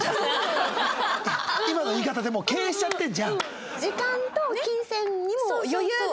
今の言い方でもう経営しちゃってんじゃん。